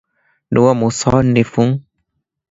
ނުވަތަ މުޞައްނިފުން